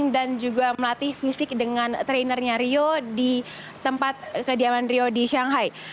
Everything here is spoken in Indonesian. dan juga melatih fisik dengan trenernya rio di tempat kediaman rio di shanghai